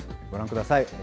ご覧ください。